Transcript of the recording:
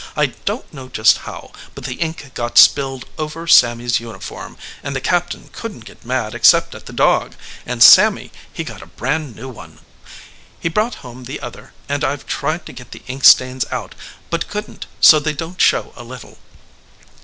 I don t know just how, but the ink got spilled over Sammy s uniform, and the captain couldn t get mad except at the dog, and Sammy he got a brand new one. He brought home the other, and I ve tried to get the ink stains out, but couldn t so they don t show a little.